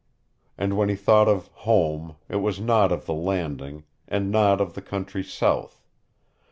And when he thought of home, it was not of the Landing, and not of the country south.